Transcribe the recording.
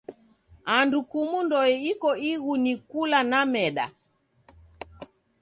Andu kumu ndoe iko ighu ni kula na meda.